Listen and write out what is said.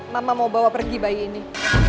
mama mau bawa pergi bayi ini